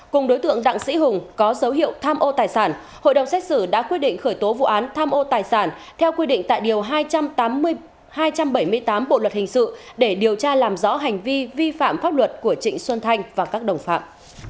cùng đối tượng đặng sĩ hùng có dấu hiệu tham ô tài sản hội đồng xét xử đã quyết định khởi tố vụ án tham ô tài sản theo quy định tại điều hai trăm tám mươi tám bộ luật hình sự để điều tra làm rõ hành vi vi phạm pháp luật của trịnh xuân thanh và các đồng phạm